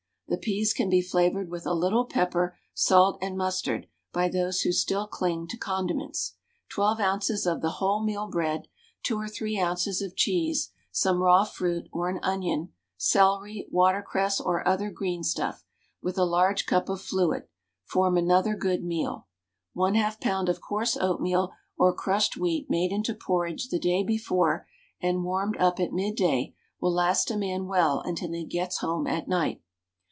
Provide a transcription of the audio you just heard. The peas can be flavoured with a little pepper, salt, and mustard by those who still cling to condiments. 12 oz. of the wholemeal bread, 2 or 3 oz. of cheese, some raw fruit, or an onion, celery, watercress, or other greenstuff, with a large cup of fluid, form another good meal. 1/2 lb. of coarse oatmeal or crushed wheat made into porridge the day before, and warmed up at midday, will last a man well until he gets home at night.